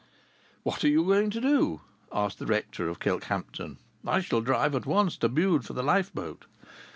"What are you going to do?" asked the rector of Kilkhampton: "I shall drive at once to Bude for the lifeboat."